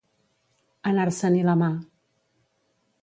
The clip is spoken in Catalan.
Anar-se-n'hi la mà.